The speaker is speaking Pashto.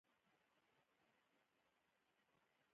هغه عنصرونه چې دوه الکترونونه اخلې چارج یې منفي دوه کیږي.